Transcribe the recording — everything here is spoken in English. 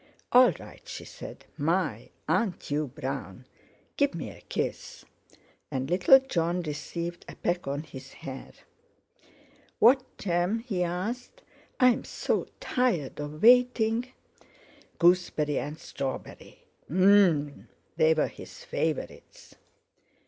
"All right!" she said. "My! Aren't you brown? Give me a kiss!" And little Jon received a peck on his hair. "What jam?" he asked. "I'm so tired of waiting." "Gooseberry and strawberry." Num! They were his favourites!